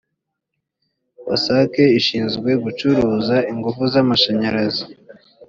wasake ishinzwe gucuruza ingufu z’ amashanyarazi